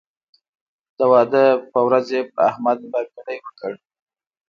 د واده پر ورځ یې پر احمد بابېړۍ وکړ.